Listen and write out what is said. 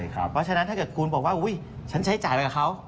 เพราะฉะนั้นถ้าเกิดคุณบอกว่าอุ๊ยฉันใช้จ่ายไปกับเขา